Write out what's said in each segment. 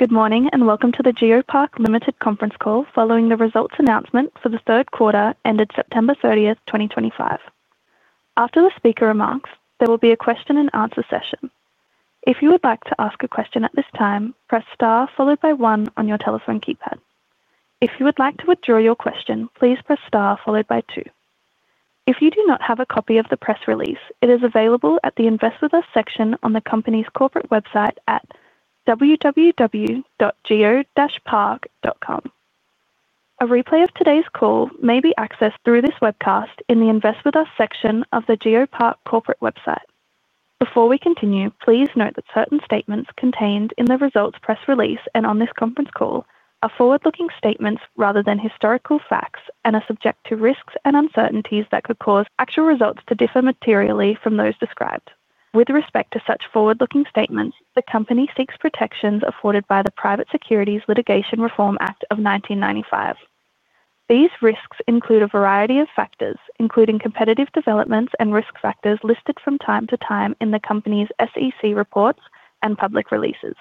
Good morning and welcome to the GeoPark Limited conference call following the results announcement for the third quarter ended September 30th, 2025. After the speaker remarks, there will be a question-and-answer session. If you would like to ask a question at this time, press star followed by one on your telephone keypad. If you would like to withdraw your question, please press star followed by two. If you do not have a copy of the press release, it is available at the Invest With Us section on the company's corporate website at www.GeoPark.com. A replay of today's call may be accessed through this webcast in the Invest With Us section of the GeoPark corporate website. Before we continue, please note that certain statements contained in the results press release and on this conference call are forward-looking statements rather than historical facts and are subject to risks and uncertainties that could cause actual results to differ materially from those described. With respect to such forward-looking statements, the company seeks protections afforded by the Private Securities Litigation Reform Act of 1995. These risks include a variety of factors, including competitive developments and risk factors listed from time to time in the company's SEC reports and public releases.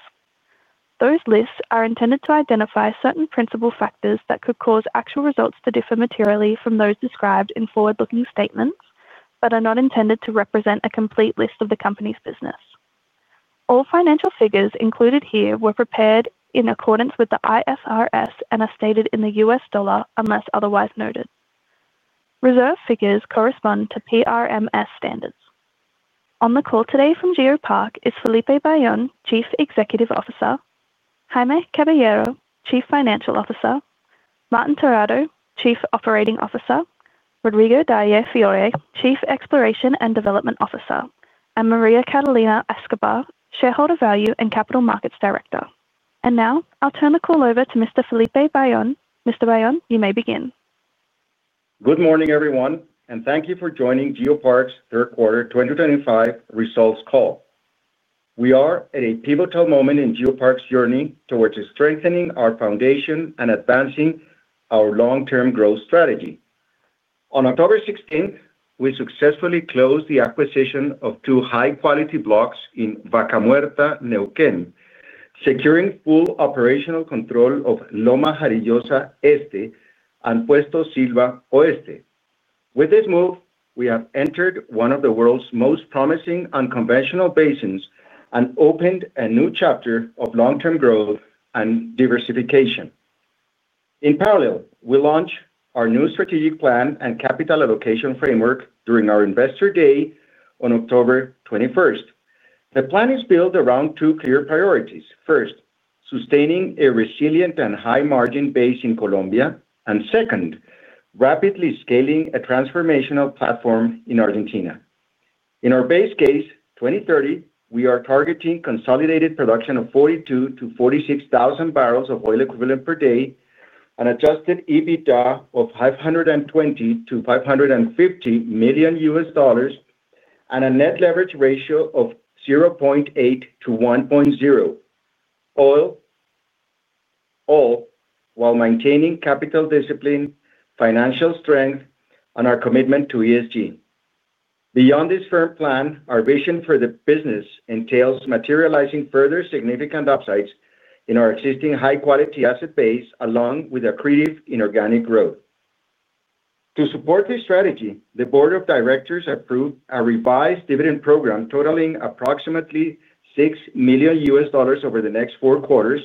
Those lists are intended to identify certain principal factors that could cause actual results to differ materially from those described in forward-looking statements but are not intended to represent a complete list of the company's business. All financial figures included here were prepared in accordance with the IFRS and are stated in the U.S. dollar unless otherwise noted. Reserve figures correspond to PRMS standards. On the call today from GeoPark is Felipe Bayon, Chief Executive Officer, Jaime Caballero, Chief Financial Officer, Martin Terrado, Chief Operating Officer, Rodrigo Dalle Fiore, Chief Exploration and Development Officer, and Maria Catalina Escobar, Shareholder Value and Capital Markets Director. I will turn the call over to Mr. Felipe Bayon. Mr. Bayon, you may begin. Good morning, everyone, and thank you for joining GeoPark's third quarter 2025 results call. We are at a pivotal moment in GeoPark's journey towards strengthening our foundation and advancing our long-term growth strategy. On October 16th, we successfully closed the acquisition of two high-quality blocks in Vaca Muerta, Neuquén, securing full operational control of Loma Jarillosa Este and Puerto Silva Oeste. With this move, we have entered one of the world's most promising unconventional basins and opened a new chapter of long-term growth and diversification. In parallel, we launched our new strategic plan and capital allocation framework during our investor day on October 21st. The plan is built around two clear priorities: first, sustaining a resilient and high-margin base in Colombia; and second, rapidly scaling a transformational platform in Argentina. In our base case 2030, we are targeting consolidated production of 42,000 bbls-46,000 bbls of oil equivalent per day, an adjusted EBITDA of $520 million-$550 million, and a net leverage ratio of 0.8-1.0, all while maintaining capital discipline, financial strength, and our commitment to ESG. Beyond this firm plan, our vision for the business entails materializing further significant upsides in our existing high-quality asset base, along with accretive inorganic growth. To support this strategy, the Board of Directors approved a revised dividend program totaling approximately $6 million over the next four quarters,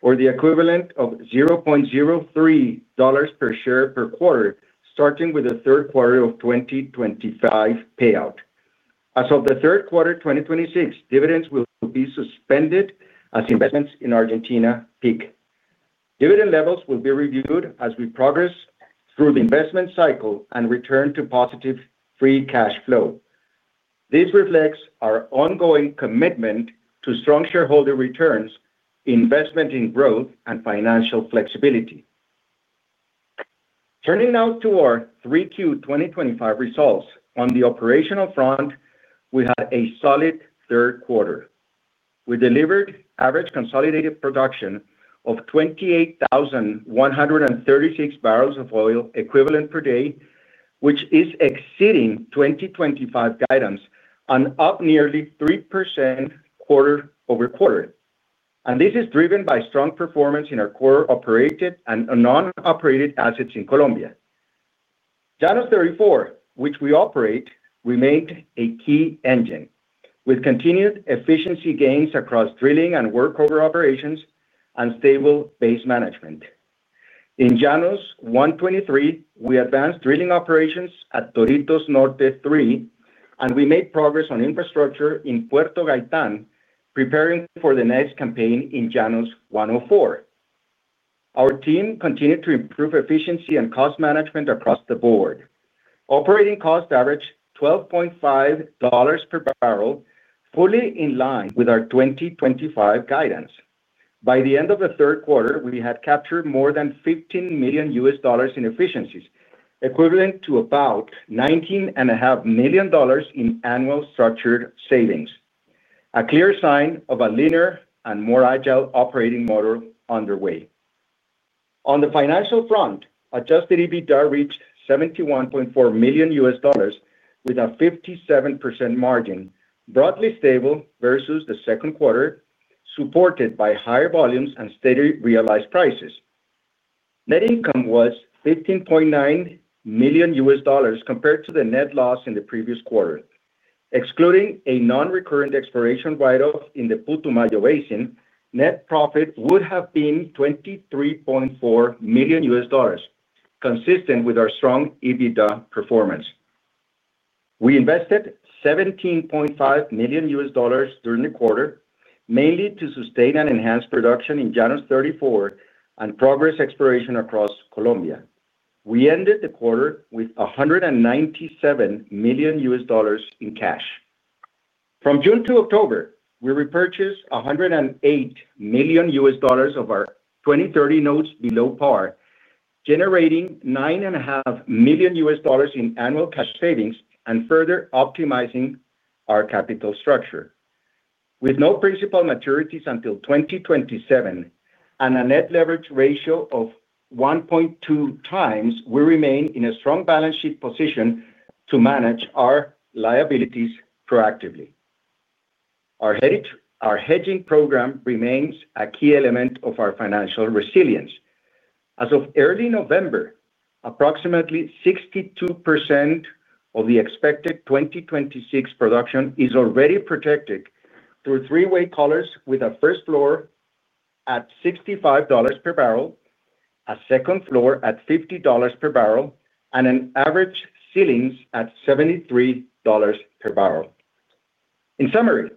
or the equivalent of $0.03 per share per quarter, starting with the third quarter of 2025 payout. As of the third quarter 2026, dividends will be suspended as investments in Argentina peak. Dividend levels will be reviewed as we progress through the investment cycle and return to positive free cash flow. This reflects our ongoing commitment to strong shareholder returns, investment in growth, and financial flexibility. Turning now to our 3Q 2025 results, on the operational front, we had a solid third quarter. We delivered average consolidated production of 28,136 bbls of oil equivalent per day, which is exceeding 2025 guidance and up nearly 3% quarter over quarter. This is driven by strong performance in our core operated and non-operated assets in Colombia. Llanos 34, which we operate, remained a key engine, with continued efficiency gains across drilling and workover operations and stable base management. In Llanos 123, we advanced drilling operations at Toritos Norte 3, and we made progress on infrastructure in Puerto Gaitán, preparing for the next campaign in Llanos 104. Our team continued to improve efficiency and cost management across the board. Operating cost averaged $12.5 per barrel, fully in line with our 2025 guidance. By the end of the third quarter, we had captured more than $15 million in efficiencies, equivalent to about $19.5 million in annual structured savings. A clear sign of a leaner and more agile operating model underway. On the financial front, adjusted EBITDA reached $71.4 million with a 57% margin, broadly stable versus the second quarter, supported by higher volumes and steady realized prices. Net income was $15.9 million compared to the net loss in the previous quarter. Excluding a non-recurrent exploration write-off in the Putumayo Basin, net profit would have been $23.4 million, consistent with our strong EBITDA performance. We invested $17.5 million during the quarter, mainly to sustain and enhance production in Llanos 34 and progress exploration across Colombia. We ended the quarter with $197 million in cash. From June to October, we repurchased $108 million of our 2030 notes below par, generating $9.5 million in annual cash savings and further optimizing our capital structure. With no principal maturities until 2027 and a net leverage ratio of 1.2x, we remain in a strong balance sheet position to manage our liabilities proactively. Our hedging program remains a key element of our financial resilience. As of early November, approximately 62% of the expected 2026 production is already protected through three-way collars with a first floor at $65 per barrel, a second floor at $50 per barrel, and an average ceiling at $73 per barrel. In summary,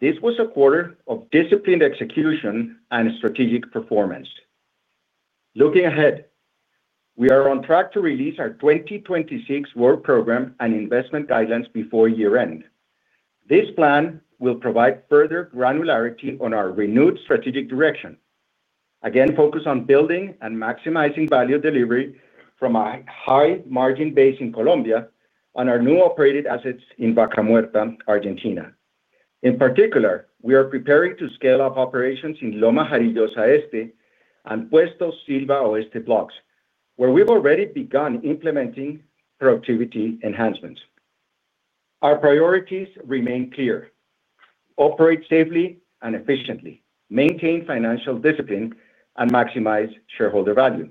this was a quarter of disciplined execution and strategic performance. Looking ahead, we are on track to release our 2026 work program and investment guidance before year-end. This plan will provide further granularity on our renewed strategic direction, again focused on building and maximizing value delivery from a high-margin base in Colombia and our new operated assets in Vaca Muerta, Argentina. In particular, we are preparing to scale up operations in Loma Jarillosa Este and Puerto Silva Oeste blocks, where we've already begun implementing productivity enhancements. Our priorities remain clear. Operate safely and efficiently, maintain financial discipline, and maximize shareholder value.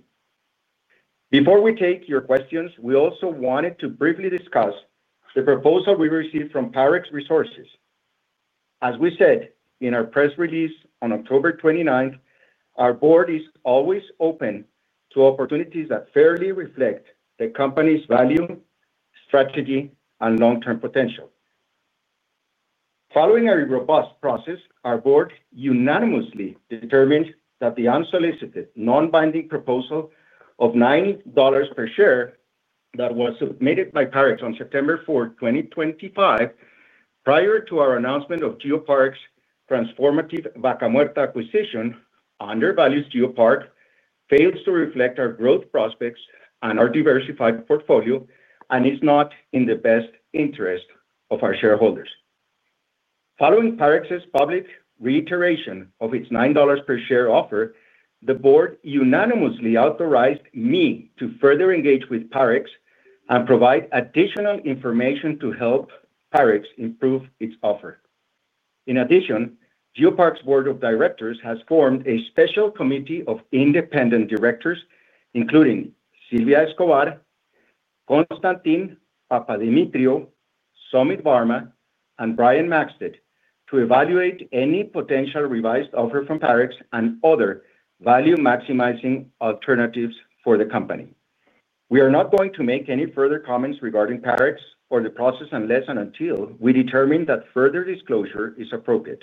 Before we take your questions, we also wanted to briefly discuss the proposal we received from Parex Resources. As we said in our press release on October 29th, our board is always open to opportunities that fairly reflect the company's value, strategy, and long-term potential. Following a robust process, our board unanimously determined that the unsolicited, non-binding proposal of $9 per share that was submitted by Parex on September 4, 2025, prior to our announcement of GeoPark's transformative Vaca Muerta acquisition, undervalues GeoPark, fails to reflect our growth prospects and our diversified portfolio, and is not in the best interest of our shareholders. Following Parex's public reiteration of its $9 per share offer, the board unanimously authorized me to further engage with Parex and provide additional information to help Parex improve its offer. In addition, GeoPark's board of directors has formed a special committee of independent directors, including Sylvia Escobar, Constantine Papadimitriou, Summit Varma, and Brian Maxtead, to evaluate any potential revised offer from Parex and other value-maximizing alternatives for the company. We are not going to make any further comments regarding Parex or the process unless and until we determine that further disclosure is appropriate.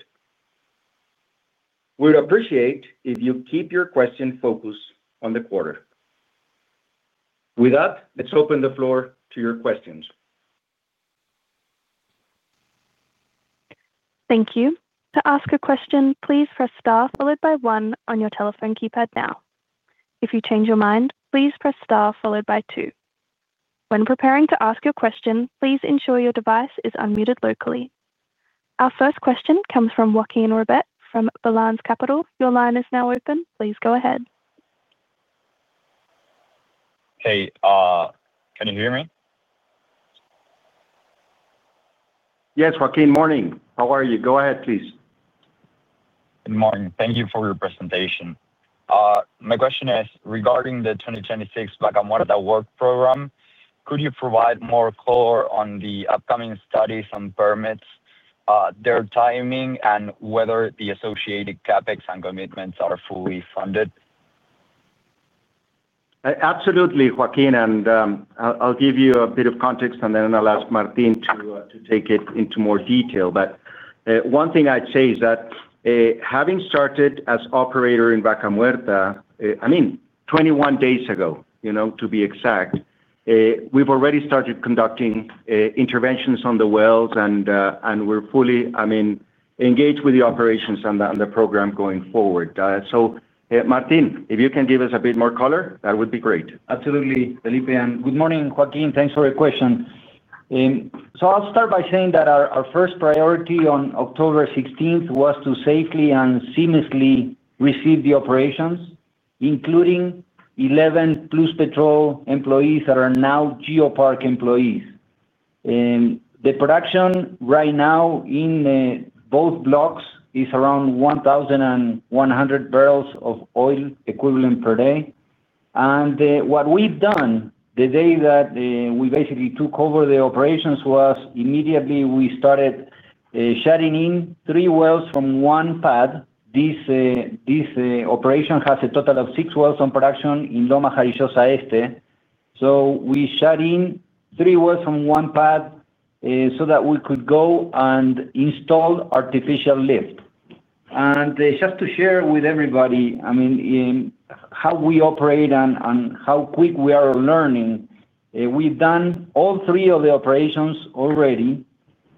We would appreciate it if you keep your question focused on the quarter. With that, let's open the floor to your questions. Thank you. To ask a question, please press star followed by one on your telephone keypad now. If you change your mind, please press star followed by two. When preparing to ask your question, please ensure your device is unmuted locally. Our first question comes from Joaquin Robet from Balanz Capital. Your line is now open. Please go ahead. Hey. Can you hear me? Yes, Joaquin. Morning. How are you? Go ahead, please. Good morning. Thank you for your presentation. My question is regarding the 2026 Vaca Muerta work program. Could you provide more color on the upcoming studies and permits, their timing, and whether the associated CapEx and commitments are fully funded? Absolutely, Joaquin. I'll give you a bit of context, and then I'll ask Martin to take it into more detail. One thing I'd say is that having started as operator in Vaca Muerta, I mean, 21 days ago, to be exact, we've already started conducting interventions on the wells, and we're fully, I mean, engaged with the operations and the program going forward. Martin, if you can give us a bit more color, that would be great. Absolutely, Felipe. Good morning, Joaquin. Thanks for your question. I'll start by saying that our first priority on October 16th was to safely and seamlessly receive the operations, including 11 Pluspetrol employees that are now GeoPark employees. The production right now in both blocks is around 1,100 bbls of oil equivalent per day. What we have done the day that we basically took over the operations was immediately we started shutting in three wells from one pad. This operation has a total of six wells in production in Loma Jarillosa Este. We shut in three wells from one pad so that we could go and install artificial lift. Just to share with everybody, I mean, how we operate and how quick we are learning, we have done all three of the operations already.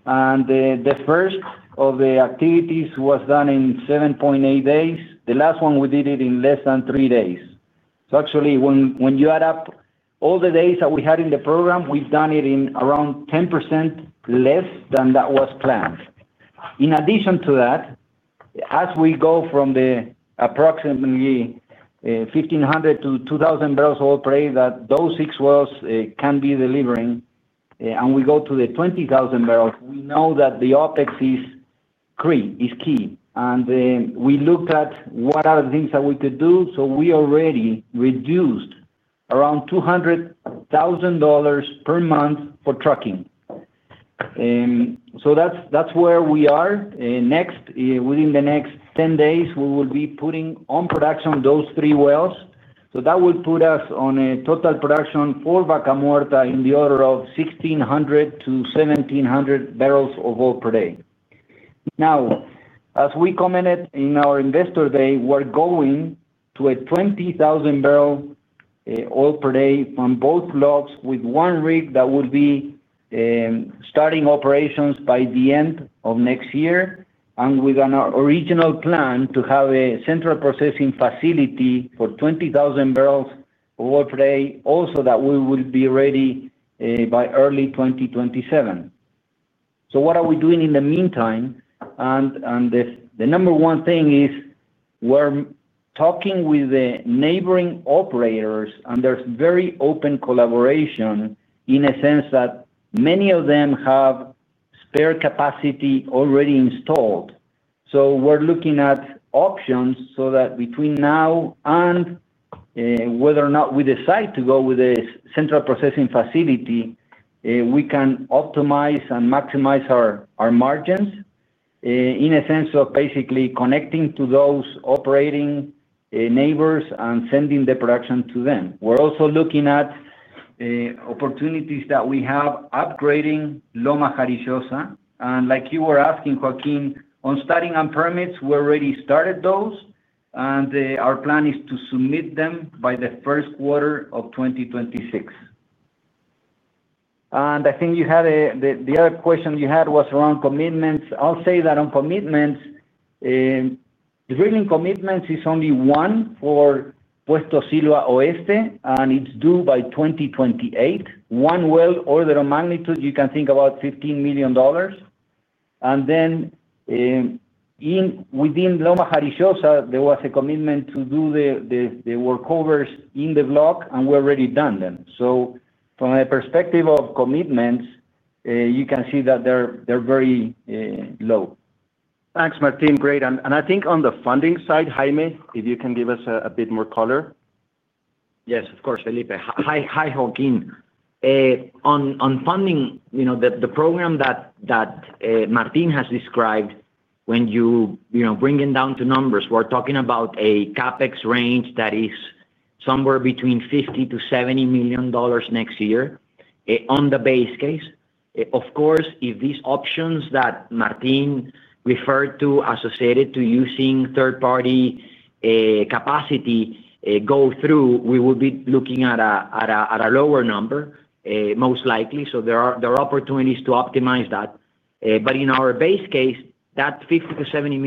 The first of the activities was done in 7.8 days. The last one we did in less than three days. Actually, when you add up all the days that we had in the program, we have done it in around 10% less than what was planned. In addition to that, as we go from the approximately. 1,500 bbls-2,000 bbls of operated, those six wells can be delivering, and we go to the 20,000 bbls we know that the OpEx is key. We looked at what are the things that we could do. We already reduced around $200,000 per month for trucking. That is where we are. Next, within the next 10 days, we will be putting on production those three wells. That will put us on a total production for Vaca Muerta in the order of 1,600 bbls-1,700 bbls of oil per day. As we commented in our investor day, we are going to a 20,000 bbls oil per day from both blocks with one rig that will be starting operations by the end of next year. With our original plan to have a central processing facility for 20,000 bbls of oil per day, also that we will be ready by early 2027. What are we doing in the meantime? The number one thing is, we're talking with the neighboring operators, and there's very open collaboration in a sense that many of them have spare capacity already installed. We're looking at options so that between now and whether or not we decide to go with the central processing facility, we can optimize and maximize our margins. In a sense of basically connecting to those operating neighbors and sending the production to them. We're also looking at opportunities that we have upgrading Loma Jarillosa. Like you were asking, Joaquin, on starting on permits, we already started those, and our plan is to submit them by the first quarter of 2026. I think you had the other question you had was around commitments. I'll say that on commitments, drilling commitments is only one for Puerto Silva Oeste, and it's due by 2028. One well order of magnitude, you can think about $15 million. Within Loma Jarillosa, there was a commitment to do the workovers in the block, and we've already done them. From the perspective of commitments, you can see that they're very low. Thanks, Martin. Great. I think on the funding side, Jaime, if you can give us a bit more color. Yes, of course, Felipe. Hi, Joaquin. On funding, the program that Martin has described, when you bring it down to numbers, we're talking about a CapEx range that is somewhere between $50 million-$70 million next year on the base case. Of course, if these options that Martin referred to associated to using third-party capacity go through, we would be looking at a lower number, most likely. There are opportunities to optimize that. In our base case, that $50 million-$70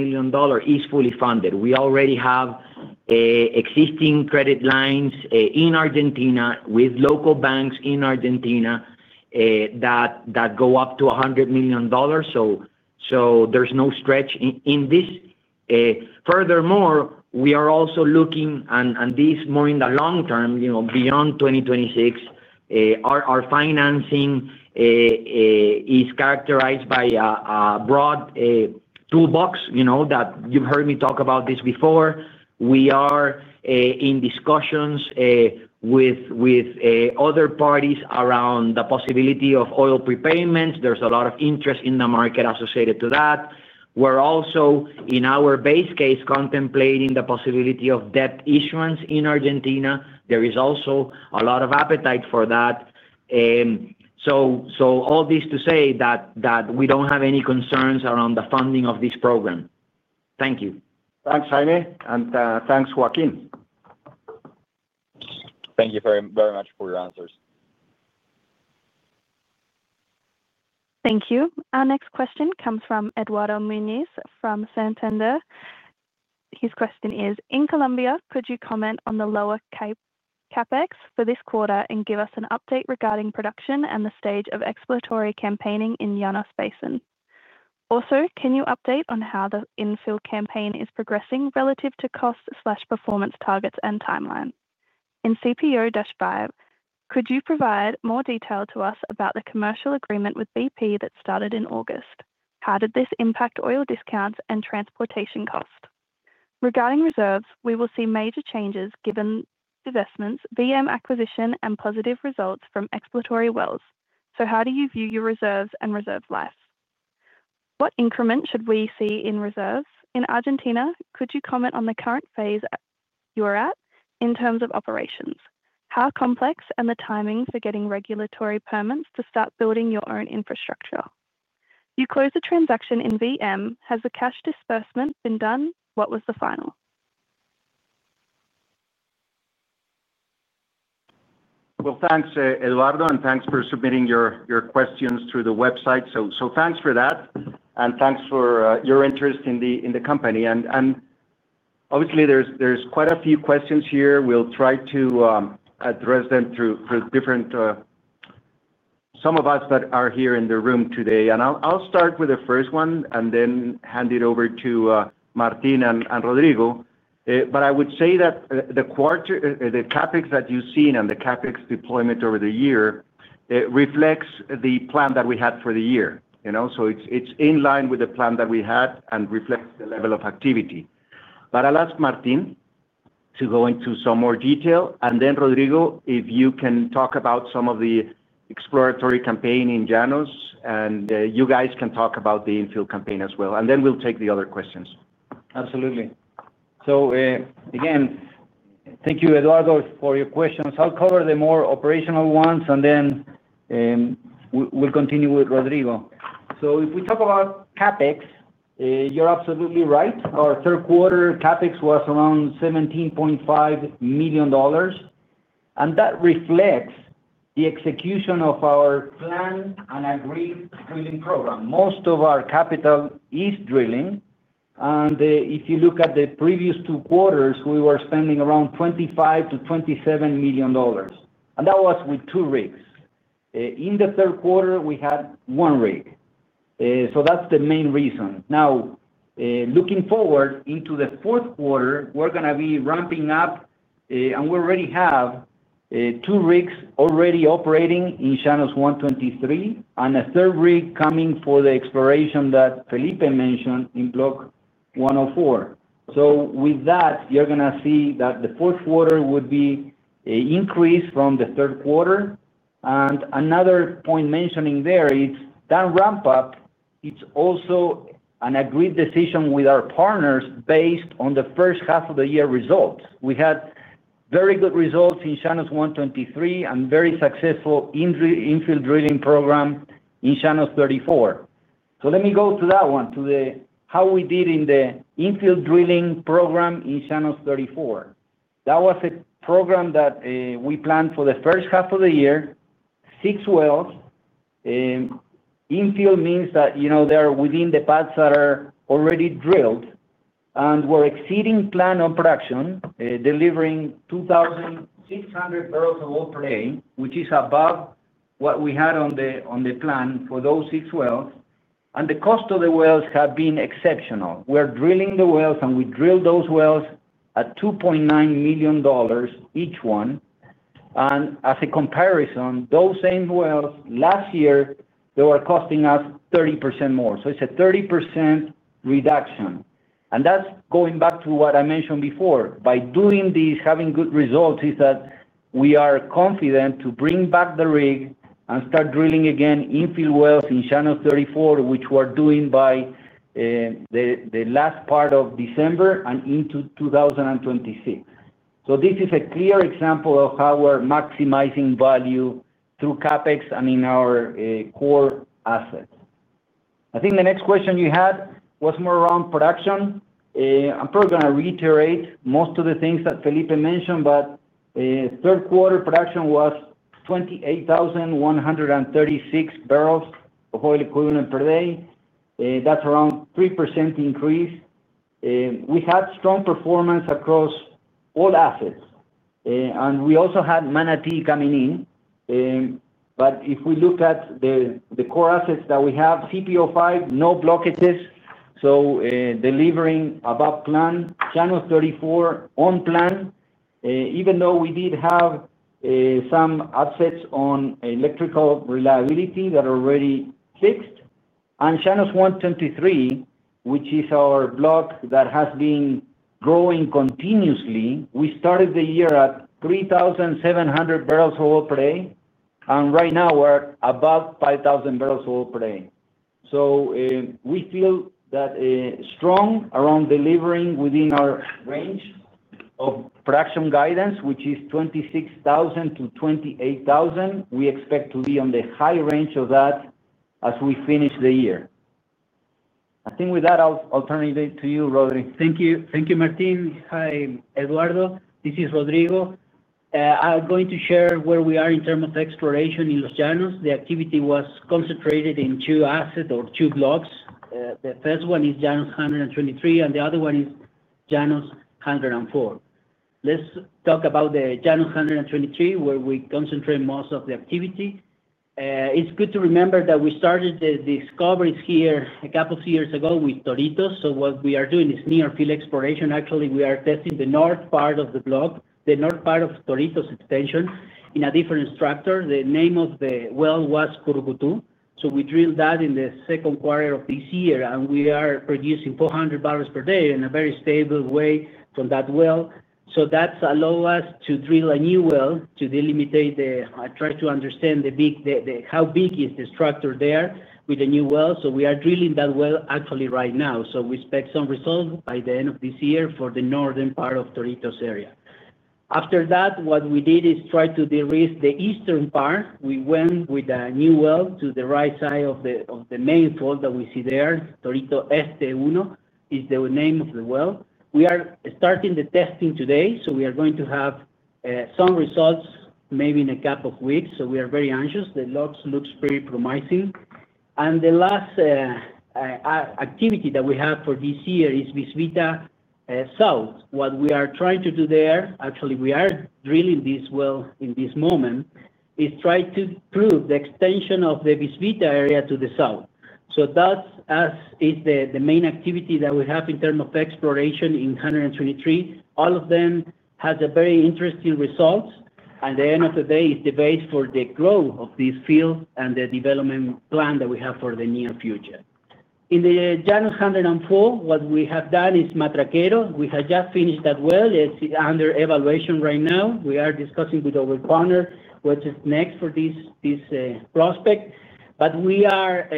million is fully funded. We already have existing credit lines in Argentina with local banks in Argentina that go up to $100 million. There is no stretch in this. Furthermore, we are also looking, and this more in the long term, beyond 2026. Our financing is characterized by a broad toolbox that you've heard me talk about this before. We are in discussions with other parties around the possibility of oil prepayments. There is a lot of interest in the market associated to that. We're also, in our base case, contemplating the possibility of debt issuance in Argentina. There is also a lot of appetite for that. All this to say that we don't have any concerns around the funding of this program. Thank you. Thanks, Jaime. And thanks, Joaquin. Thank you very much for your answers. Thank you. Our next question comes from Eduardo Muniz from Santander. His question is, in Colombia, could you comment on the lower CapEx for this quarter and give us an update regarding production and the stage of exploratory campaigning in Llanos Basin? Also, can you update on how the infill campaign is progressing relative to cost/performance targets and timeline? In CPO-5, could you provide more detail to us about the commercial agreement with BP that started in August? How did this impact oil discounts and transportation cost? Regarding reserves, we will see major changes given investments, VM acquisition, and positive results from exploratory wells. So how do you view your reserves and reserve life? What increment should we see in reserves? In Argentina, could you comment on the current phase you are at in terms of operations? How complex and the timing for getting regulatory permits to start building your own infrastructure? You closed a transaction in Vaca Muerta. Has the cash disbursement been done? What was the final? Thanks, Eduardo, and thanks for submitting your questions through the website. Thanks for that, and thanks for your interest in the company. Obviously, there are quite a few questions here. We'll try to address them through different, some of us that are here in the room today. I'll start with the first one and then hand it over to Martin and Rodrigo. I would say that the CapEx that you've seen and the CapEx deployment over the year reflects the plan that we had for the year. It's in line with the plan that we had and reflects the level of activity. I'll ask Martin to go into some more detail, and then, Rodrigo, if you can talk about some of the exploratory campaign in Llanos, and you guys can talk about the infill campaign as well. Then we'll take the other questions. Absolutely. Thank you, Eduardo, for your questions. I'll cover the more operational ones, and then we'll continue with Rodrigo. If we talk about CapEx, you're absolutely right. Our third quarter CapEx was around $17.5 million. That reflects the execution of our plan and agreed drilling program. Most of our capital is drilling. If you look at the previous two quarters, we were spending around $25 million-$27 million. That was with two rigs. In the third quarter, we had one rig. That's the main reason. Looking forward into the fourth quarter, we're going to be ramping up. We already have two rigs operating in Llanos 123 and a third rig coming for the exploration that Felipe mentioned in block 104. With that, you're going to see that the fourth quarter would be an increase from the third quarter. Another point mentioning there is that ramp-up, it's also an agreed decision with our partners based on the first half of the year results. We had very good results in Llanos 123 and a very successful infill drilling program in Llanos 34. Let me go to that one, to how we did in the infill drilling program in Llanos 34. That was a program that we planned for the first half of the year, six wells. Infill means that they are within the pads that are already drilled and were exceeding planned on production, delivering 2,600 bbls of oil per day, which is above what we had on the plan for those six wells. The cost of the wells has been exceptional. We're drilling the wells, and we drilled those wells at $2.9 million each one. As a comparison, those same wells last year, they were costing us 30% more. It is a 30% reduction. That is going back to what I mentioned before. By doing this, having good results, we are confident to bring back the rig and start drilling again infill wells in Llanos 34, which we are doing by the last part of December and into 2026. This is a clear example of how we are maximizing value through CapEx and in our core assets. I think the next question you had was more around production. I am probably going to reiterate most of the things that Felipe mentioned, but third quarter production was 28,136 bbls of oil equivalent per day. That is around a 3% increase. We had strong performance across all assets. We also had Manatee coming in. If we look at the core assets that we have, CPO-5, no blockages. Delivering above plan, Llanos 34 on plan. Even though we did have some assets on electrical reliability that are already fixed. Llanos 123, which is our block that has been growing continuously, we started the year at 3,700 bbls of oil per day. Right now, we're above 5,000 bbls of oil per day. We feel that strong around delivering within our range of production guidance, which is 26,000 bbls-28,000 bbls. We expect to be on the high range of that as we finish the year. I think with that, I'll turn it to you, Rodrigo. Thank you, Martin. Hi, Eduardo. This is Rodrigo. I'm going to share where we are in terms of exploration in Los Llanos. The activity was concentrated in two assets or two blocks. The first one is Llanos 123, and the other one is Llanos 104. Let's talk about the Llanos 123, where we concentrate most of the activity. It's good to remember that we started the discoveries here a couple of years ago with Toritos. What we are doing is near-field exploration. Actually, we are testing the north part of the block, the north part of Toritos extension in a different structure. The name of the well was Curubutu. We drilled that in the second quarter of this year, and we are producing 400 bbls per day in a very stable way from that well. That allowed us to drill a new well to delimitate the—I try to understand how big is the structure there with the new well. We are drilling that well actually right now. We expect some results by the end of this year for the northern part of Toritos area. After that, what we did is try to de-risk the eastern part. We went with a new well to the right side of the main fault that we see there. Torito Este 1 is the name of the well. We are starting the testing today. We are going to have some results maybe in a couple of weeks. We are very anxious. The logs look very promising. The last activity that we have for this year is Visvita South. What we are trying to do there, actually, we are drilling this well in this moment, is try to prove the extension of the Visvita area to the south. That is the main activity that we have in terms of exploration in 123. All of them have very interesting results. At the end of the day, it is the base for the growth of this field and the development plan that we have for the near future. In the Llanos 104, what we have done is Matraquero. We have just finished that well. It is under evaluation right now. We are discussing with our partner what is next for this prospect. We are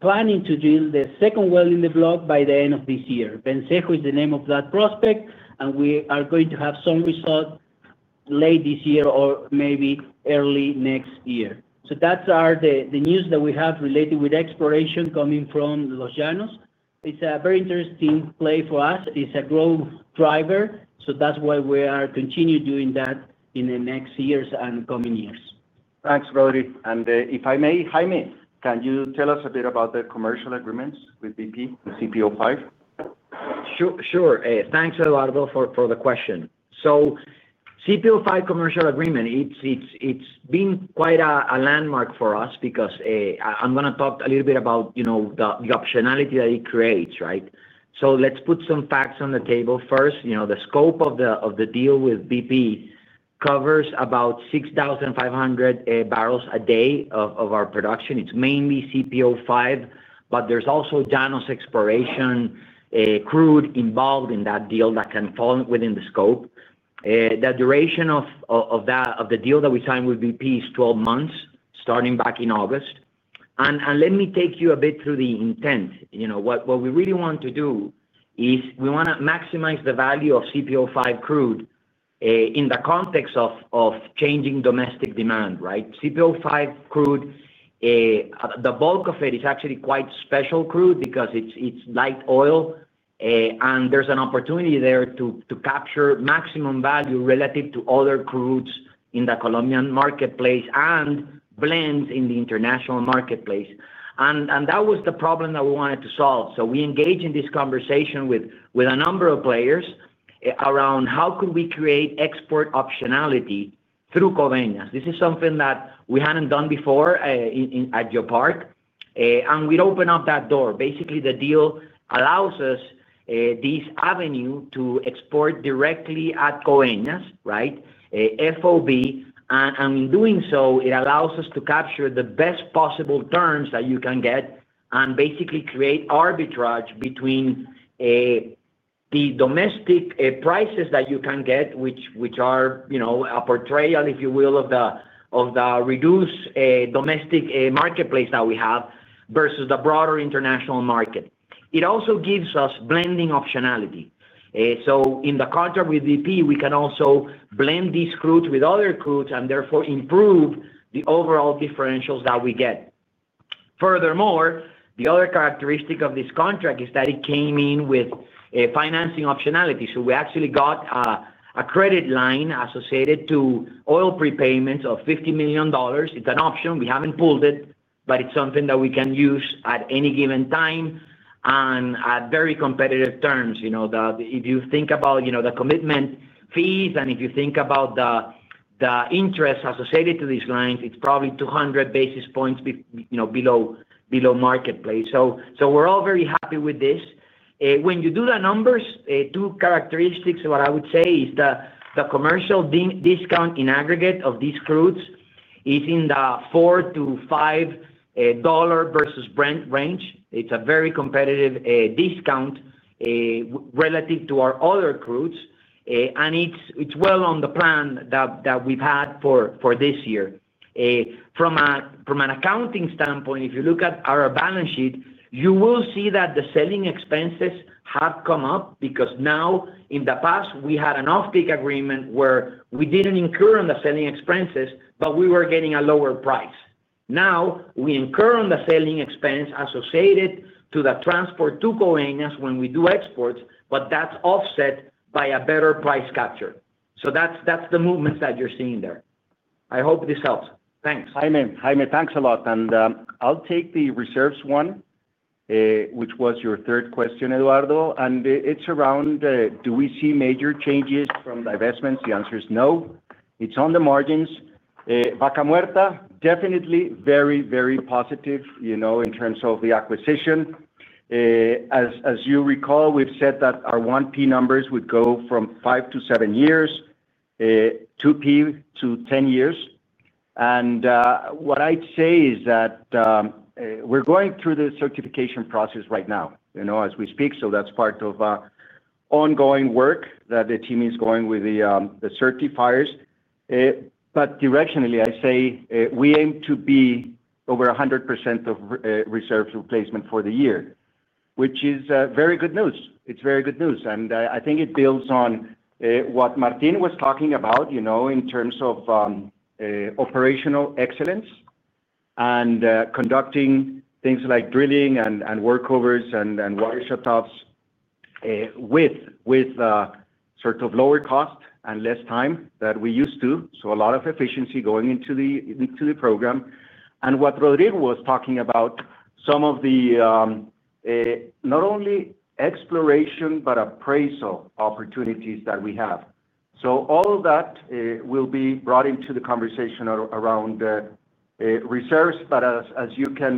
planning to drill the second well in the block by the end of this year. Vencejo is the name of that prospect. We are going to have some results. Late this year or maybe early next year. That's the news that we have related with exploration coming from Los Llanos. It's a very interesting play for us. It's a growth driver. That's why we are continuing doing that in the next years and coming years. Thanks, Rodrigo. If I may, Jaime, can you tell us a bit about the commercial agreements with BP and CPO-5? Sure. Thanks, Eduardo, for the question. CPO-5 commercial agreement, it's been quite a landmark for us because I'm going to talk a little bit about the optionality that it creates, right? Let's put some facts on the table first. The scope of the deal with BP covers about 6,500 bbls a day of our production. It's mainly CPO-5, but there's also Llanos exploration crude involved in that deal that can fall within the scope. The duration of the deal that we signed with BP is 12 months, starting back in August. Let me take you a bit through the intent. What we really want to do is we want to maximize the value of CPO-5 crude in the context of changing domestic demand, right? CPO-5 crude, the bulk of it is actually quite special crude because it's light oil. There is an opportunity there to capture maximum value relative to other crudes in the Colombian marketplace and blends in the international marketplace. That was the problem that we wanted to solve. We engaged in this conversation with a number of players around how we could create export optionality through Coveñas. This is something that we had not done before at GeoPark. We opened up that door. Basically, the deal allows us this avenue to export directly at Coveñas, right? FOB. In doing so, it allows us to capture the best possible terms that you can get and basically create arbitrage between the domestic prices that you can get, which are a portrayal, if you will, of the reduced domestic marketplace that we have versus the broader international market. It also gives us blending optionality. In the contract with BP, we can also blend these crudes with other crudes and therefore improve the overall differentials that we get. Furthermore, the other characteristic of this contract is that it came in with financing optionality. We actually got a credit line associated to oil prepayments of $50 million. It's an option. We haven't pulled it, but it's something that we can use at any given time and at very competitive terms. If you think about the commitment fees and if you think about the interest associated to these lines, it's probably 200 basis points below marketplace. We're all very happy with this. When you do the numbers, two characteristics, what I would say is that the commercial discount in aggregate of these crudes is in the $4-$5 versus Brent range. It's a very competitive discount relative to our other crudes. It is well on the plan that we have had for this year. From an accounting standpoint, if you look at our balance sheet, you will see that the selling expenses have come up because now, in the past, we had an off-peak agreement where we did not incur on the selling expenses, but we were getting a lower price. Now, we incur on the selling expense associated to the transport to Coveñas when we do exports, but that is offset by a better price capture. That is the movement that you are seeing there. I hope this helps. Thanks. Jaime, thanks a lot. I'll take the reserves one, which was your third question, Eduardo. It's around, do we see major changes from the investments? The answer is no. It's on the margins. Vaca Muerta, definitely very, very positive in terms of the acquisition. As you recall, we've said that our 1P numbers would go from five to seven years, 2P to 10 years. What I'd say is that we're going through the certification process right now as we speak. That's part of ongoing work that the team is going with the certifiers. Directionally, I say we aim to be over 100% of reserves replacement for the year, which is very good news. It's very good news. I think it builds on what Martín was talking about in terms of operational excellence and conducting things like drilling and workovers and water shutoffs. Sort of lower cost and less time than we used to. A lot of efficiency going into the program. What Rodrigo was talking about, some of the, not only, exploration, but appraisal opportunities that we have. All of that will be brought into the conversation around reserves. As you can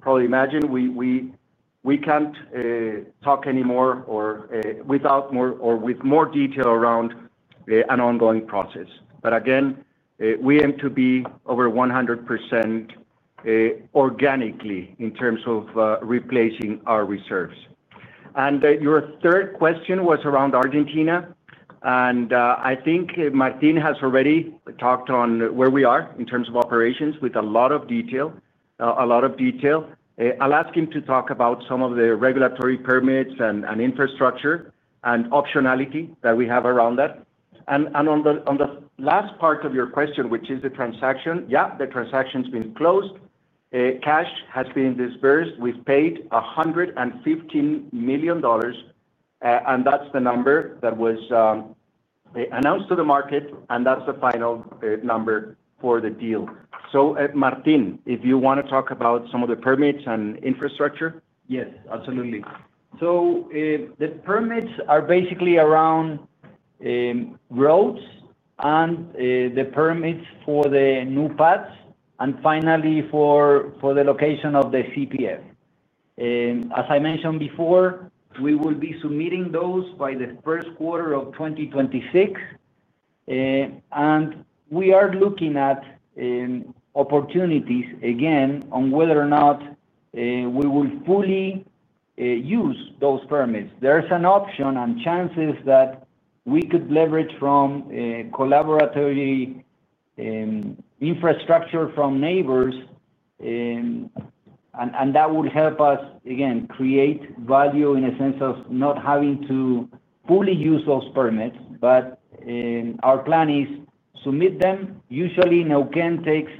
probably imagine, we cannot talk anymore or with more detail around an ongoing process. Again, we aim to be over 100% organically in terms of replacing our reserves. Your third question was around Argentina. I think Martín has already talked on where we are in terms of operations with a lot of detail. I will ask him to talk about some of the regulatory permits and infrastructure and optionality that we have around that. On the last part of your question, which is the transaction, yeah, the transaction's been closed. Cash has been disbursed. We've paid $115 million. That's the number that was announced to the market. That's the final number for the deal. Martín, if you want to talk about some of the permits and infrastructure. Yes, absolutely. The permits are basically around roads and the permits for the new paths, and finally, for the location of the CPF. As I mentioned before, we will be submitting those by the first quarter of 2026. We are looking at opportunities again on whether or not we will fully use those permits. There is an option and chances that we could leverage from collaborative infrastructure from neighbors, and that would help us, again, create value in the sense of not having to fully use those permits. Our plan is to submit them. Usually, in Oakland, it takes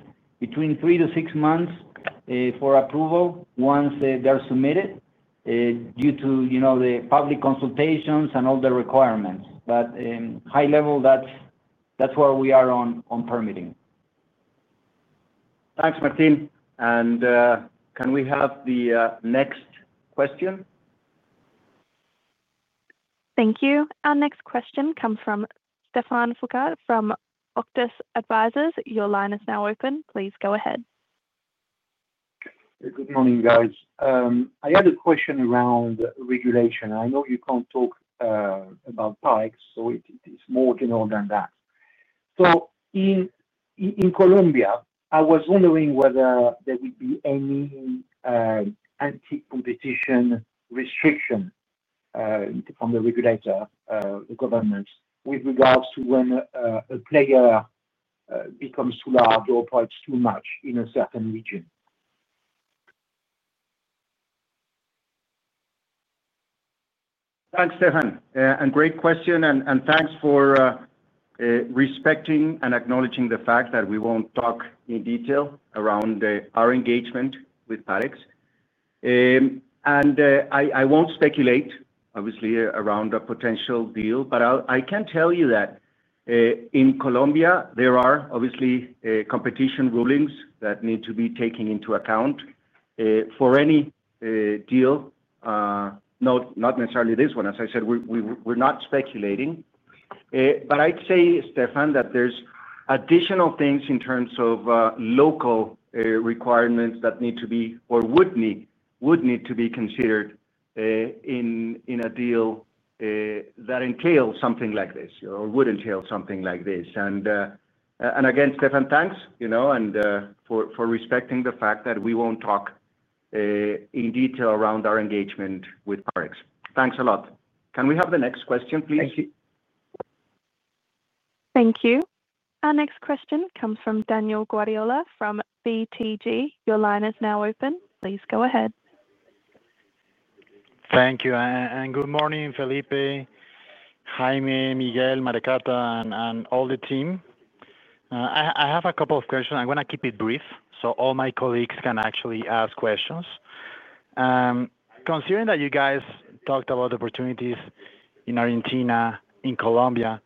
between three to six months for approval once they are submitted due to the public consultations and all the requirements. High level, that is where we are on permitting. Thanks, Martín. Can we have the next question? Thank you. Our next question comes from Stephane Foucaud from Auctus Advisors. Your line is now open. Please go ahead. Good morning, guys. I had a question around regulation. I know you can't talk about pikes, so it is more general than that. In Colombia, I was wondering whether there would be any anti-competition restriction from the regulator, the government, with regards to when a player becomes too large or pipes too much in a certain region. Thanks, Stephane. Great question. Thanks for respecting and acknowledging the fact that we won't talk in detail around our engagement with Palex. I won't speculate, obviously, around a potential deal. I can tell you that in Colombia, there are obviously competition rulings that need to be taken into account for any deal. Not necessarily this one. As I said, we're not speculating. I'd say, Stephane, that there's additional things in terms of local requirements that need to be or would need to be considered in a deal that entails something like this or would entail something like this. Again, Stephane, thanks for respecting the fact that we won't talk in detail around our engagement with Palex. Thanks a lot. Can we have the next question, please? Thank you. Our next question comes from Daniel Guardiola from BTG. Your line is now open. Please go ahead. Thank you. And good morning, Felipe, Jaime, Miguel, Maricata, and all the team. I have a couple of questions. I'm going to keep it brief so all my colleagues can actually ask questions. Considering that you guys talked about opportunities in Argentina, in Colombia,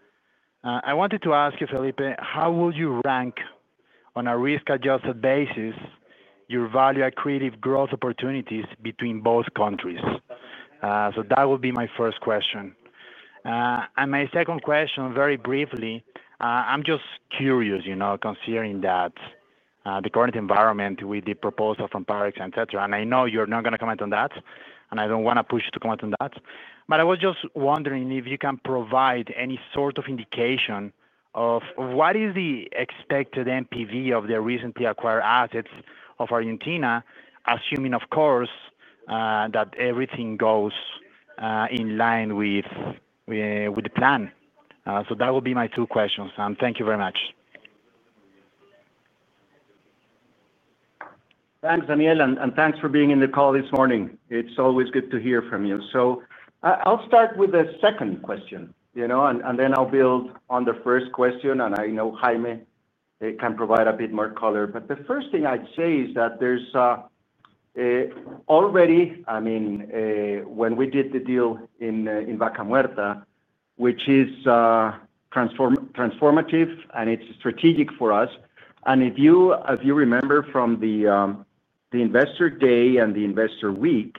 I wanted to ask you, Felipe, how would you rank, on a risk-adjusted basis, your value-accretive growth opportunities between both countries? That would be my first question. My second question, very briefly, I'm just curious, considering the current environment with the proposal from Parex, etc. I know you're not going to comment on that, and I don't want to push you to comment on that, but I was just wondering if you can provide any sort of indication of what is the expected MPV of the recently acquired assets of Argentina, assuming, of course, that everything goes in line with the plan. That would be my two questions. Thank you very much. Thanks, Daniel. And thanks for being in the call this morning. It's always good to hear from you. I'll start with the second question. Then I'll build on the first question. I know Jaime can provide a bit more color. The first thing I'd say is that there's already, I mean, when we did the deal in Vaca Muerta, which is transformative and it's strategic for us. If you remember from the investor day and the investor week,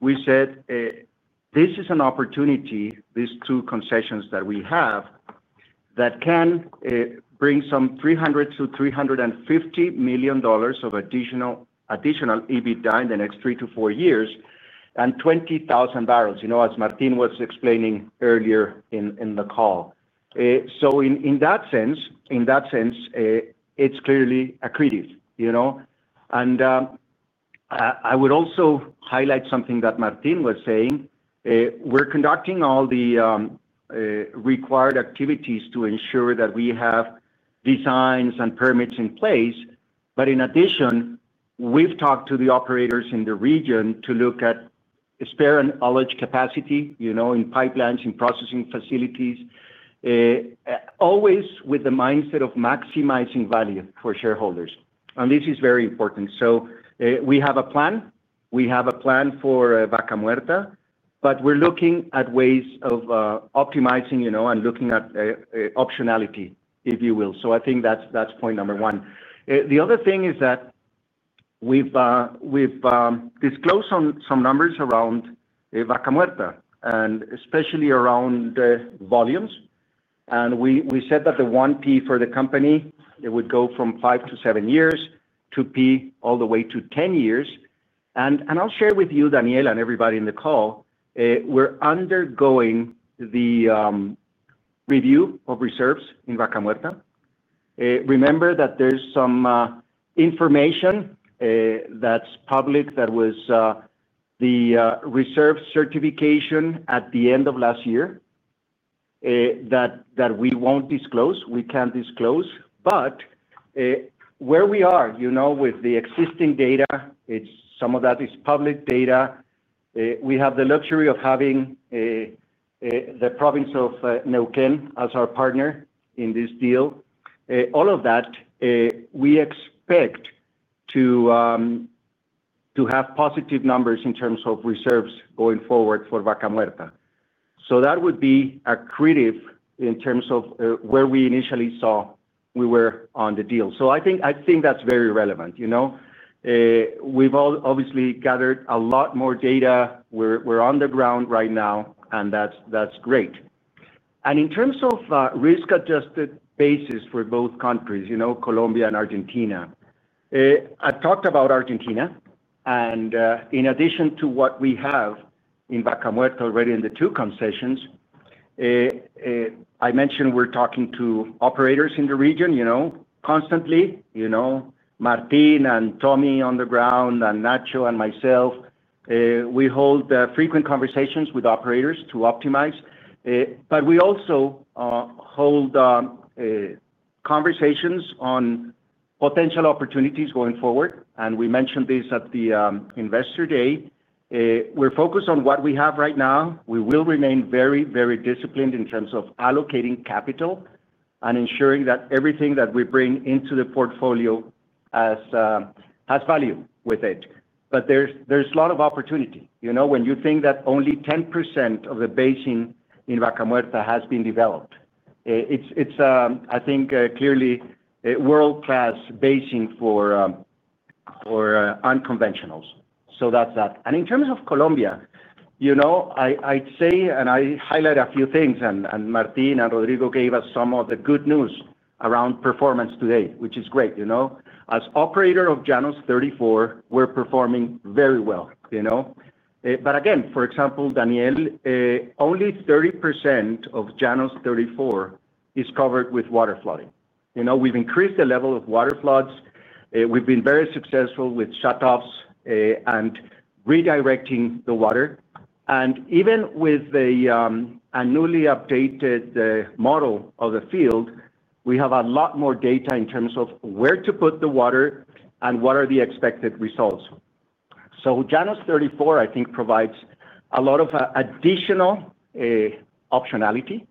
we said this is an opportunity, these two concessions that we have, that can bring some $300 million-$350 million of additional EBITDA in the next three to four years and 20,000 bbls, as Martín was explaining earlier in the call. In that sense, it's clearly accretive. I would also highlight something that Martín was saying. We're conducting all the. Required activities to ensure that we have designs and permits in place. In addition, we've talked to the operators in the region to look at spare and outage capacity in pipelines, in processing facilities. Always with the mindset of maximizing value for shareholders. This is very important. We have a plan. We have a plan for Vaca Muerta. We're looking at ways of optimizing and looking at optionality, if you will. I think that's point number one. The other thing is that we've disclosed some numbers around Vaca Muerta, and especially around volumes. We said that the 1P for the company, it would go from five to seven years, 2P all the way to 10 years. I'll share with you, Daniel, and everybody in the call, we're undergoing the review of reserves in Vaca Muerta. Remember that there's some information. That's public. That was the reserve certification at the end of last year. That we won't disclose. We can disclose. Where we are with the existing data, some of that is public data. We have the luxury of having the province of Pas our partner in this deal. All of that. We expect to have positive numbers in terms of reserves going forward for Vaca Muerta. That would be accretive in terms of where we initially saw we were on the deal. I think that's very relevant. We've obviously gathered a lot more data. We're on the ground right now, and that's great. In terms of risk-adjusted basis for both countries, Colombia and Argentina, I talked about Argentina. In addition to what we have in Vaca Muerta already in the two concessions, I mentioned we're talking to operators in the region constantly. Martín and Tommy on the ground and Nacho and myself. We hold frequent conversations with operators to optimize. We also hold conversations on potential opportunities going forward. We mentioned this at the investor day. We're focused on what we have right now. We will remain very, very disciplined in terms of allocating capital and ensuring that everything that we bring into the portfolio has value with it. There's a lot of opportunity. When you think that only 10% of the basin in Vaca Muerta has been developed, it's, I think, clearly a world-class basin for unconventionals. That's that. In terms of Colombia, I'd say, and I highlight a few things, and Martín and Rodrigo gave us some of the good news around performance today, which is great. As operator of Llanos 34, we're performing very well. For example, Daniel, only 30% of Llanos 34 is covered with water flooding. We've increased the level of water floods. We've been very successful with shutoffs and redirecting the water. Even with the newly updated model of the field, we have a lot more data in terms of where to put the water and what are the expected results. Llanos 34, I think, provides a lot of additional optionality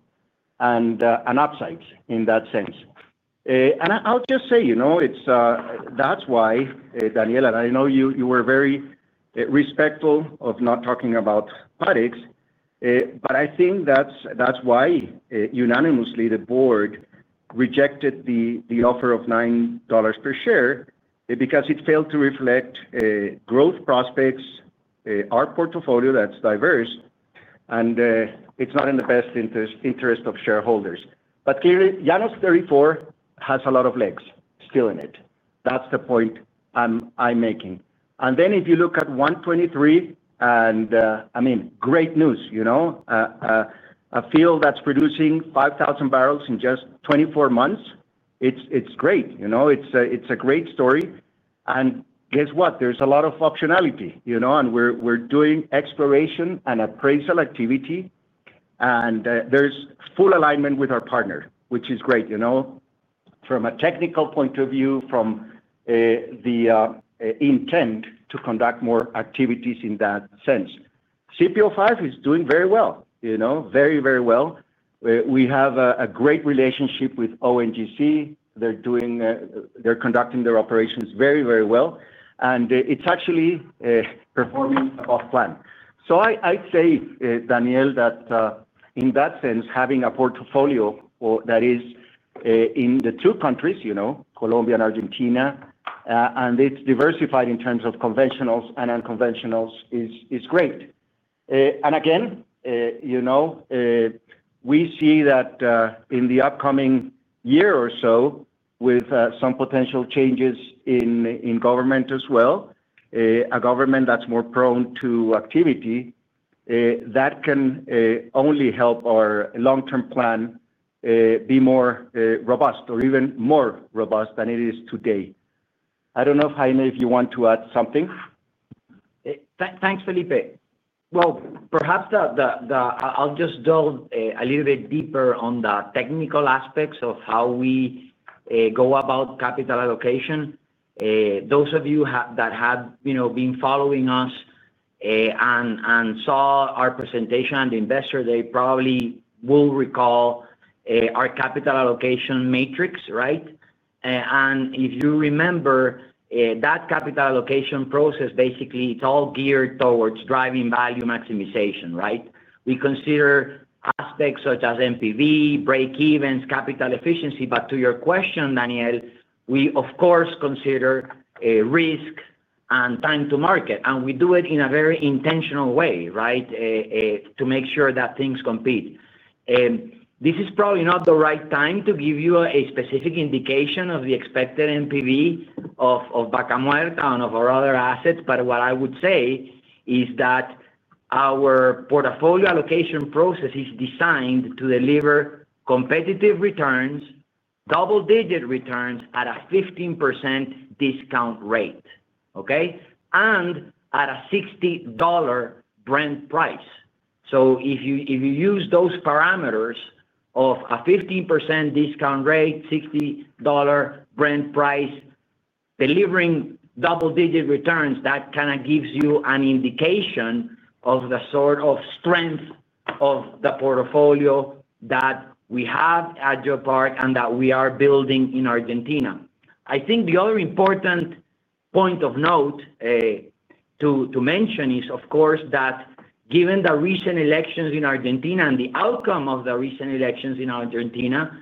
and upsides in that sense. I'll just say that's why, Daniel, and I know you were very respectful of not talking about Parex. I think that's why unanimously the board rejected the offer of $9 per share because it failed to reflect growth prospects, our portfolio that's diverse, and it's not in the best interest of shareholders. Clearly, Llanos 34 has a lot of legs still in it. That's the point I'm making. If you look at 123, I mean, great news. A field that's producing 5,000 bbls in just 24 months, it's great. It's a great story. Guess what? There's a lot of optionality. We're doing exploration and appraisal activity. There's full alignment with our partner, which is great. From a technical point of view, from the intent to conduct more activities in that sense. CPO-5 is doing very well, very, very well. We have a great relationship with ONGC. They're conducting their operations very, very well. It's actually performing above plan. I'd say, Daniel, that in that sense, having a portfolio that is in the two countries, Colombia and Argentina, and it's diversified in terms of conventionals and unconventionals, is great. Again, we see that in the upcoming year or so, with some potential changes in government as well. A government that's more prone to activity. That can only help our long-term plan. Be more robust or even more robust than it is today. I don't know, Jaime, if you want to add something. Thanks, Felipe. Perhaps I'll just delve a little bit deeper on the technical aspects of how we go about capital allocation. Those of you that have been following us and saw our presentation and the investor day probably will recall our capital allocation matrix, right? If you remember, that capital allocation process, basically, it's all geared towards driving value maximization, right? We consider aspects such as MPV, breakevens, capital efficiency. To your question, Daniel, we, of course, consider risk and time to market. We do it in a very intentional way, right, to make sure that things compete. This is probably not the right time to give you a specific indication of the expected MPV of Vaca Muerta and of our other assets. What I would say is that. Our portfolio allocation process is designed to deliver competitive returns, double-digit returns at a 15% discount rate, okay, and at a $60 Brent price. If you use those parameters of a 15% discount rate, $60 Brent price, delivering double-digit returns, that kind of gives you an indication of the sort of strength of the portfolio that we have at GeoPark and that we are building in Argentina. I think the other important point of note to mention is, of course, that given the recent elections in Argentina and the outcome of the recent elections in Argentina,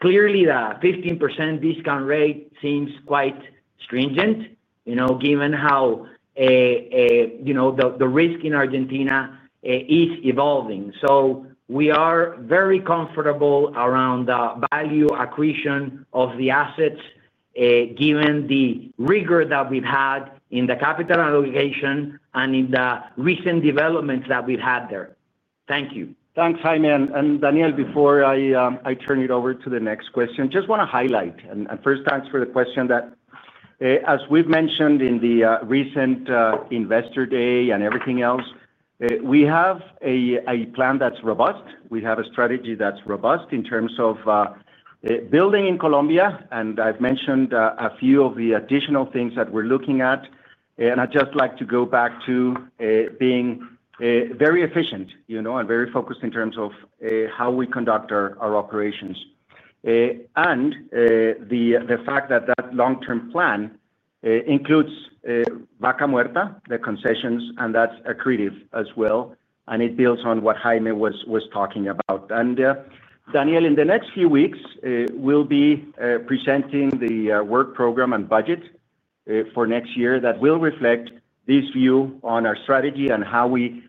clearly, the 15% discount rate seems quite stringent, given how the risk in Argentina is evolving. We are very comfortable around the value accretion of the assets, given the rigor that we've had in the capital allocation and in the recent developments that we've had there. Thank you. Thanks, Jaime. Daniel, before I turn it over to the next question, just want to highlight, and first, thanks for the question. As we've mentioned in the recent investor day and everything else, we have a plan that's robust. We have a strategy that's robust in terms of building in Colombia. I've mentioned a few of the additional things that we're looking at. I'd just like to go back to being very efficient and very focused in terms of how we conduct our operations. The fact that that long-term plan includes Vaca Muerta, the concessions, and that's accretive as well. It builds on what Jaime was talking about. Daniel, in the next few weeks, we'll be presenting the work program and budget for next year that will reflect this view on our strategy and how we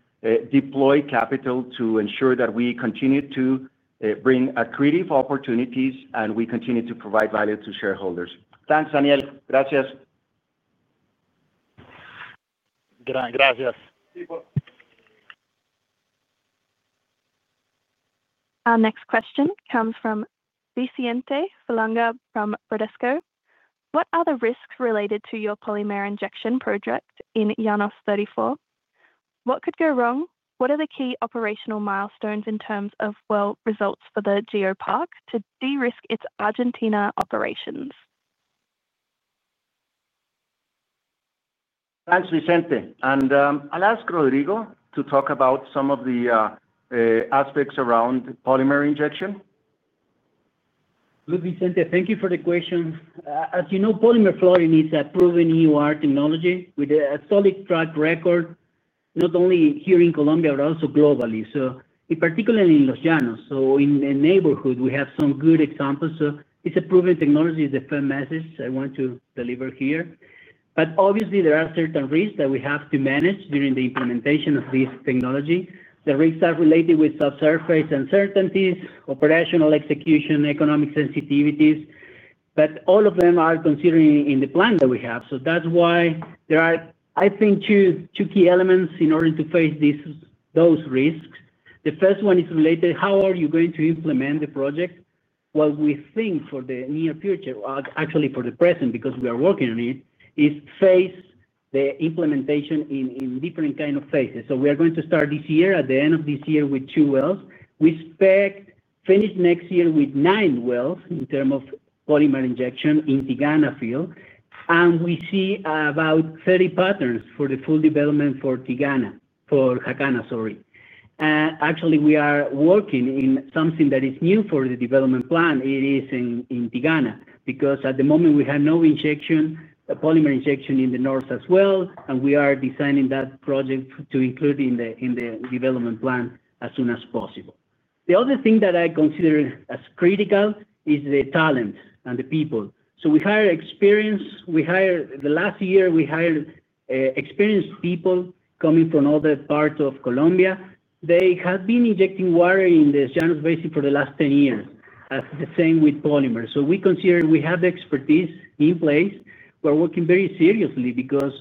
deploy capital to ensure that we continue to bring accretive opportunities and we continue to provide value to shareholders. Thanks, Daniel. Gracias. Next question comes from Vicente Falonga from Bradesco. What are the risks related to your polymer injection project in Llanos 34? What could go wrong? What are the key operational milestones in terms of well results for GeoPark to de-risk its Argentina operations? Thanks, Vicente. I'll ask Rodrigo to talk about some of the aspects around polymer injection. Good, Vicente. Thank you for the question. As you know, polymer injection is a proven EUR technology with a solid track record. Not only here in Colombia, but also globally. Particularly in Los Llanos, in the neighborhood, we have some good examples. It is a proven technology, the firm message I want to deliver here. Obviously, there are certain risks that we have to manage during the implementation of this technology. The risks are related with subsurface uncertainties, operational execution, economic sensitivities. All of them are considered in the plan that we have. That is why there are, I think, two key elements in order to face those risks. The first one is related to how you are going to implement the project. What we think for the near future, actually for the present because we are working on it, is phase the implementation in different kinds of phases. We are going to start this year, at the end of this year, with two wells. We expect to finish next year with nine wells in terms of polymer injection in Tigana field. We see about 30 patterns for the full development for Jacana, sorry. Actually, we are working in something that is new for the development plan. It is in Tigana because at the moment, we have no injection, polymer injection in the north as well. We are designing that project to include in the development plan as soon as possible. The other thing that I consider as critical is the talent and the people. We hire experienced. The last year, we hired experienced people coming from other parts of Colombia. They have been injecting water in the Llanos Basin for the last 10 years, the same with polymer. We consider we have the expertise in place. We're working very seriously because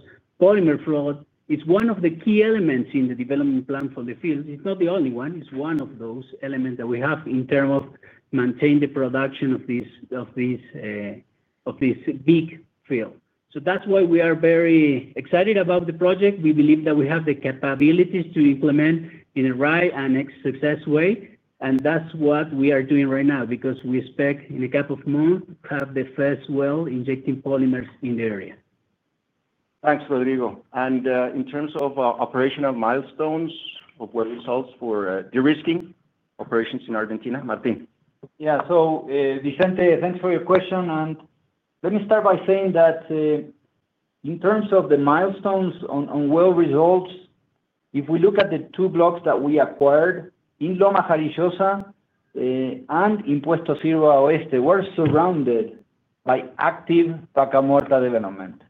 polymer flood is one of the key elements in the development plan for the field. It's not the only one. It's one of those elements that we have in terms of maintaining the production of this big field. That is why we are very excited about the project. We believe that we have the capabilities to implement in the right and successful way. That is what we are doing right now because we expect in a couple of months to have the first well injecting polymers in the area. Thanks, Rodrigo. In terms of operational milestones of world results for de-risking operations in Argentina, Martín? Yeah. Vicente, thanks for your question. Let me start by saying that in terms of the milestones on well results, if we look at the two blocks that we acquired in Loma Jarillosa and in Puerto Silva Oeste, we're surrounded by active Vaca Muerta development.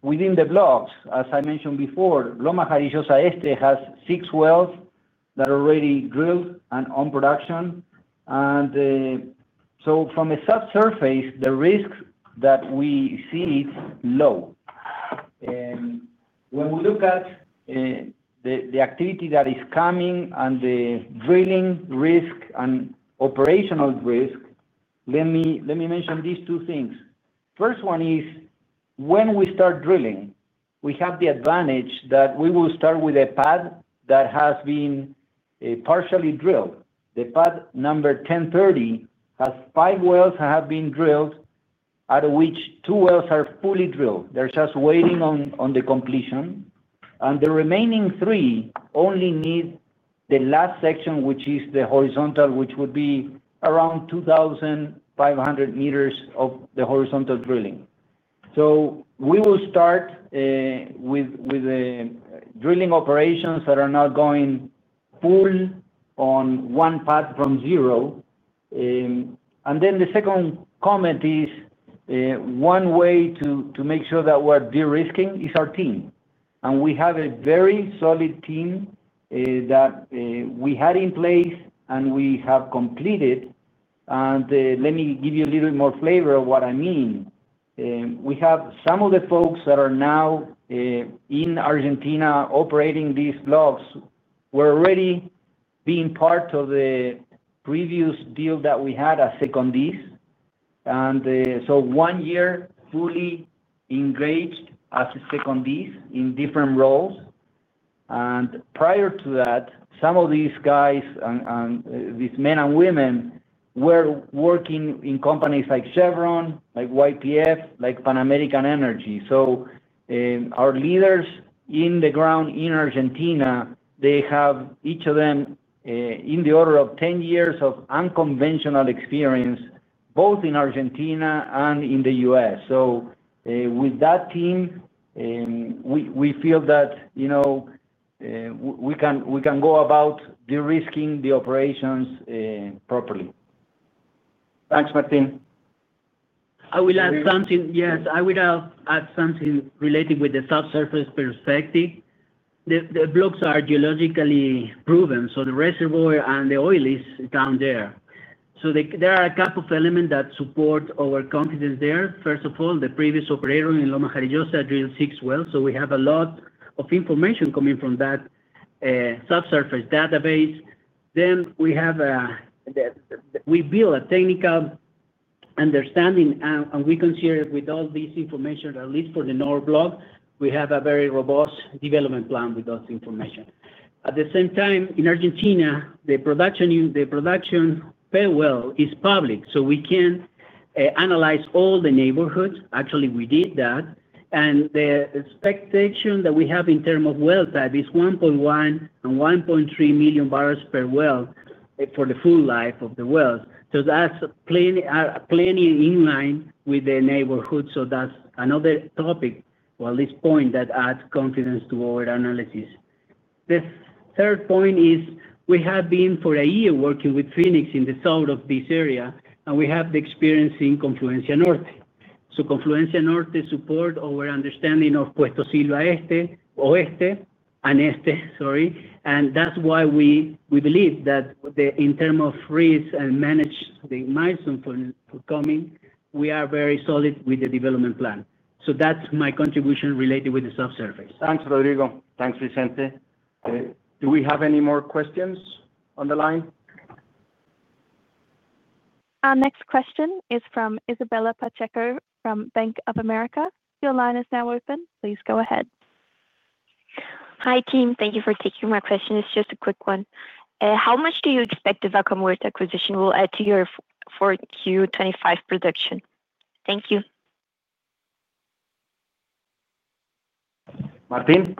Within the blocks, as I mentioned before, Loma Jarillosa Este has six wells that are already drilled and on production. From the subsurface, the risk that we see is low. When we look at the activity that is coming and the drilling risk and operational risk, let me mention these two things. First one is, when we start drilling, we have the advantage that we will start with a pad that has been partially drilled. The pad number 1030 has five wells that have been drilled, out of which two wells are fully drilled. They're just waiting on the completion. The remaining three only need the last section, which is the horizontal, which would be around 2,500 m of the horizontal drilling. We will start with drilling operations that are not going full on one pad from zero. The second comment is one way to make sure that we are de-risking is our team. We have a very solid team that we had in place and we have completed. Let me give you a little bit more flavor of what I mean. We have some of the folks that are now in Argentina operating these blocks. They were already being part of the previous deal that we had as secondees. One year fully engaged as secondees in different roles. Prior to that, some of these guys, these men and women, were working in companies like Chevron, like YPF, like Pan American Energy. Our leaders in the ground in Argentina, they have each of them in the order of 10 years of unconventional experience, both in Argentina and in the U.S. With that team, we feel that we can go about de-risking the operations properly. Thanks, Martín. I will add something. Yes, I would add something related with the subsurface perspective. The blocks are geologically proven. The reservoir and the oil is down there. There are a couple of elements that support our confidence there. First of all, the previous operator in Loma Jarillosa drilled six wells. We have a lot of information coming from that subsurface database. Then we build a technical understanding, and we consider with all this information, at least for the north block, we have a very robust development plan with that information. At the same time, in Argentina, the production paywell is public. We can analyze all the neighborhoods. Actually, we did that. The expectation that we have in terms of well type is 1.1 million bbls and 1.3 million bbls per well for the full life of the wells. That is plenty in line with the neighborhood. That's another topic or at least point that adds confidence to our analysis. The third point is we have been for a year working with Phoenix in the south of this area, and we have the experience in Confluencia Norte. Confluencia Norte supports our understanding of Puerto Silva Oeste. And Este, sorry. That's why we believe that in terms of risk and manage the milestones for coming, we are very solid with the development plan. That's my contribution related with the subsurface. Thanks, Rodrigo. Thanks, Vicente. Do we have any more questions on the line? Next question is from Isabella Pacheco from Bank of America. Your line is now open. Please go ahead. Hi, team. Thank you for taking my question. It's just a quick one. How much do you expect the Vaca Muerta acquisition will add to your 4Q 2025 production? Thank you. Martín?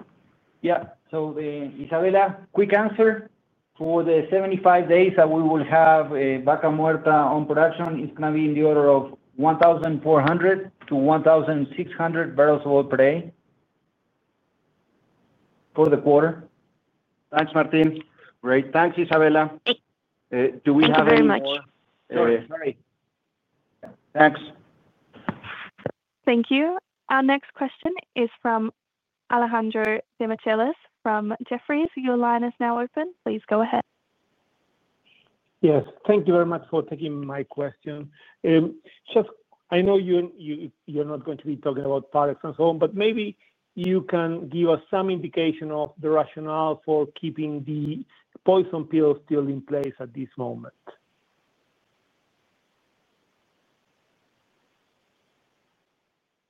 Yeah. Isabella, quick answer. For the 75 days that we will have Vaca Muerta on production, it's going to be in the order of 1,400 bbls-1,600 bbls of oil per day. For the quarter. Thanks, Martín. Great. Thanks, Isabella. Thank you very much. Thanks very much. Sorry. Thanks. Thank you. Our next question is from Alejandro Demichelis from Jefferies. Your line is now open. Please go ahead. Yes. Thank you very much for taking my question. Chef, I know you're not going to be talking about products and so on, but maybe you can give us some indication of the rationale for keeping the poison pill still in place at this moment.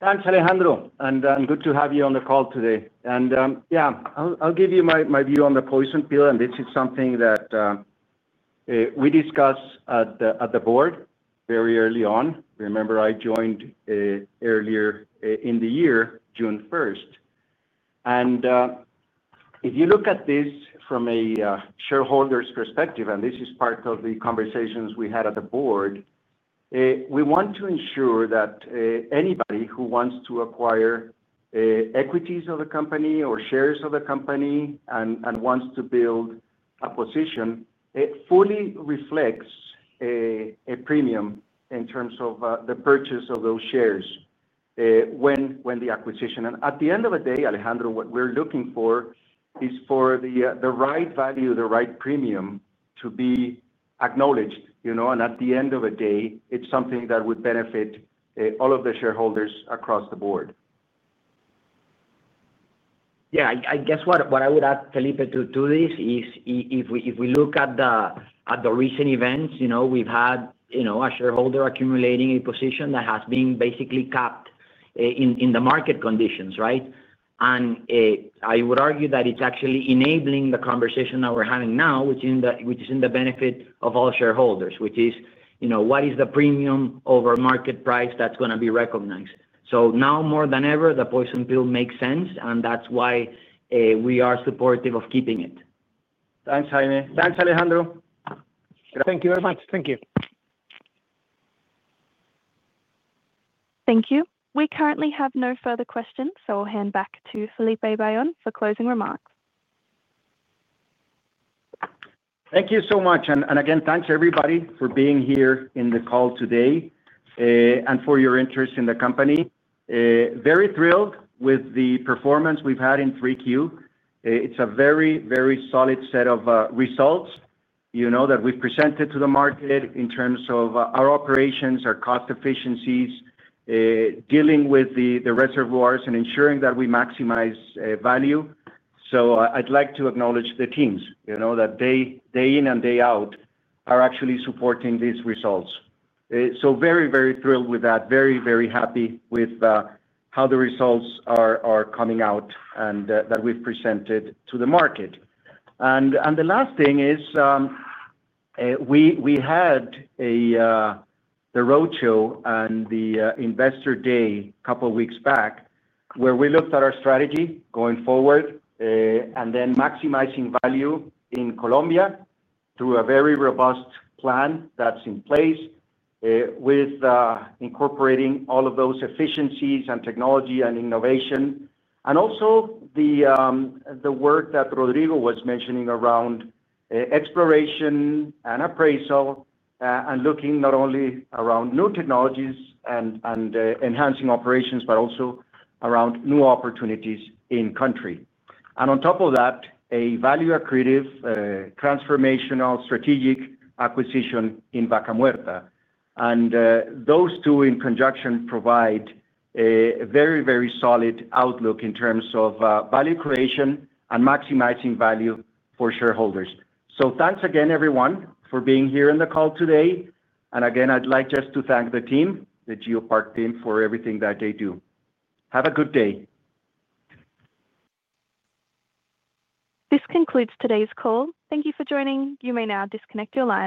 Thanks, Alejandro. Good to have you on the call today. I'll give you my view on the poison pill, and this is something that we discussed at the board very early on. Remember, I joined earlier in the year, June 1. If you look at this from a shareholder's perspective, and this is part of the conversations we had at the board, we want to ensure that anybody who wants to acquire equities of the company or shares of the company and wants to build a position fully reflects a premium in terms of the purchase of those shares when the acquisition. At the end of the day, Alejandro, what we're looking for is for the right value, the right premium to be acknowledged. At the end of the day, it's something that would benefit all of the shareholders across the board. Yeah. I guess what I would add, Felipe, to this is if we look at the recent events, we've had a shareholder accumulating a position that has been basically capped in the market conditions, right? I would argue that it's actually enabling the conversation that we're having now, which is in the benefit of all shareholders, which is what is the premium over market price that's going to be recognized. Now more than ever, the poison pill makes sense, and that's why we are supportive of keeping it. Thanks, Jaime. Thanks, Alejandro. Thank you very much. Thank you. Thank you. We currently have no further questions, so I'll hand back to Felipe Bayon for closing remarks. Thank you so much. Again, thanks everybody for being here in the call today and for your interest in the company. Very thrilled with the performance we've had in 3Q. It's a very, very solid set of results that we've presented to the market in terms of our operations, our cost efficiencies, dealing with the reservoirs and ensuring that we maximize value. I'd like to acknowledge the teams that day in and day out are actually supporting these results. Very, very thrilled with that. Very, very happy with how the results are coming out and that we've presented to the market. The last thing is we had the roadshow and the investor day a couple of weeks back where we looked at our strategy going forward, and then maximizing value in Colombia through a very robust plan that's in place. With incorporating all of those efficiencies and technology and innovation. Also the work that Rodrigo was mentioning around exploration and appraisal and looking not only around new technologies and enhancing operations, but also around new opportunities in country. On top of that, a value-accretive, transformational strategic acquisition in Vaca Muerta. Those two in conjunction provide a very, very solid outlook in terms of value creation and maximizing value for shareholders. Thanks again, everyone, for being here in the call today. Again, I'd like just to thank the team, the GeoPark team, for everything that they do. Have a good day. This concludes today's call. Thank you for joining. You may now disconnect your line.